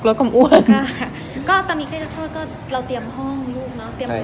ก็ต่อนดีขลิปถ้าเกิดก็เราเตรียมห้องล์สนะเตรียมบ้านจัดบ้าน